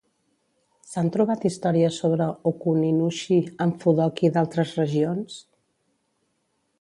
S'han trobat històries sobre Ōkuninushi en Fudoki d'altres regions?